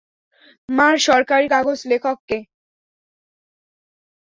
মার সরকারি কাগজ লেখককে।